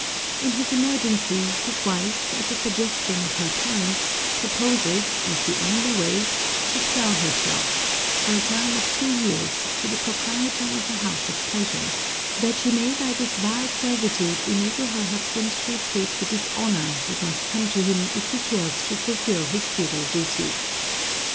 In this emergency, his wife, at the suggestion of her parents, proposes, as the only way, to sell herself, for a term of two years, to the proprietor of a house of pleasure, that she may by this vile servitude enable her husband to escape the dishonor that must come to him if he fails to fulfill his feudal duty.